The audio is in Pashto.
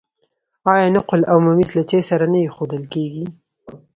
آیا نقل او ممیز له چای سره نه ایښودل کیږي؟